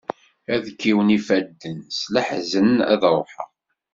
Ad kkiwen ifadden, s leḥzen ad ruḥeɣ.